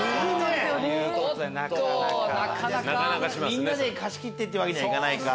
みんなで貸し切ってってわけにはいかないか。